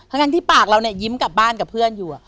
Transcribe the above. ทั้งที่ปากเราเนี่ยยิ้มกลับบ้านกับเพื่อนอยู่